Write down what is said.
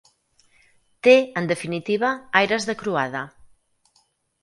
Té, en definitiva, aires de croada.